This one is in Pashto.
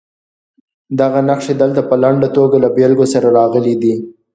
دغه نښې دلته په لنډه توګه له بېلګو سره راغلي دي.